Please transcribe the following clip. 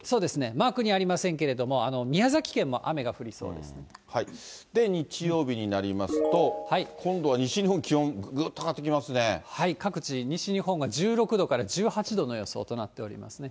マークにありませんけれども、宮崎県も雨が降りで、日曜日になりますと、今度は西日本、各地、西日本が１６度から１８度の予想となっていますね。